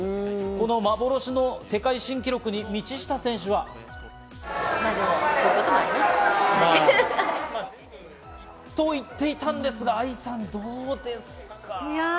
この幻の世界新記録に道下選手は。と言っていたんですが、愛さん、どうですか？